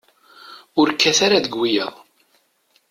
Ur kkat ara deg wiyaḍ.